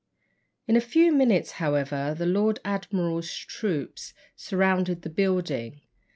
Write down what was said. In a few minutes, however, the Lord Admiral's troops surrounded the building.